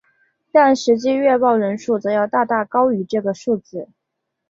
但实际阅报人数则要大大高于这个数字。